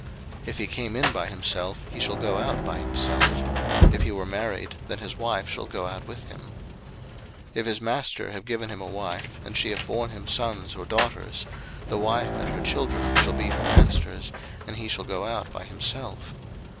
02:021:003 If he came in by himself, he shall go out by himself: if he were married, then his wife shall go out with him. 02:021:004 If his master have given him a wife, and she have born him sons or daughters; the wife and her children shall be her master's, and he shall go out by himself.